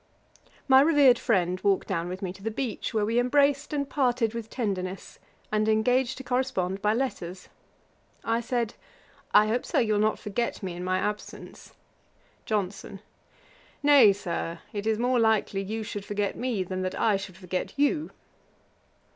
My revered friend walked down with me to the beach, where we embraced and parted with tenderness, and engaged to correspond by letters. I said, 'I hope, Sir, you will not forget me in my absence.' JOHNSON. 'Nay, Sir, it is more likely you should forget me, than that I should forget you.'